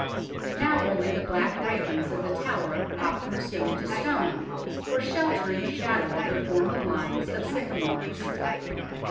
Now only the black ravens of The Tower hop from stone to stone, or shelter in the shadow of the formal lines of sycamores.